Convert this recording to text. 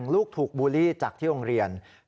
ลูกถูกบูลลี่จากที่โรงเรียน